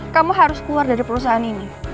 kamu harus keluar dari perusahaan ini